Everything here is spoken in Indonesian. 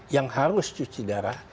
yang harus cuci darah